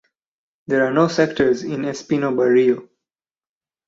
There are no sectors in Espino barrio.